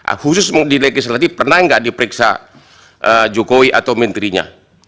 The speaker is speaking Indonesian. nah khusus di legislatif pernah nggak diperiksa jokowi atau menterinya